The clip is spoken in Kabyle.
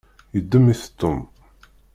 Yeddem-it Tom.